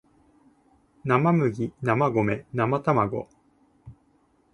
生麦生米生たまご